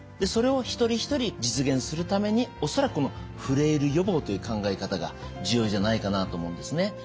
それを一人一人実現するために恐らくこのフレイル予防という考え方が重要じゃないかなと思うんですね。